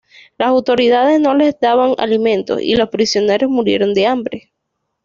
Las autoridades no les daban alimentos, y los prisioneros murieron de hambre.